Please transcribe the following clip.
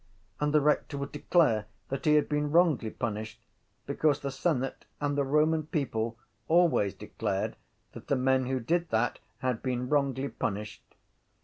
And the rector would declare that he had been wrongly punished because the senate and the Roman people always declared that the men who did that had been wrongly punished.